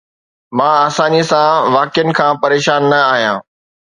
مان آساني سان واقعن کان پريشان نه آهيان